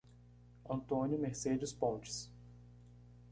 Antônio Mercedes Pontes